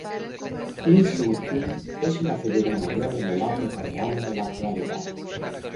Lee Sung-Keun es una figura mayor en el arte coreano de la actualidad.